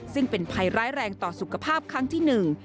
ซึ่งเป็นภัยร้ายแรงต่อสุขภาพครั้งที่๑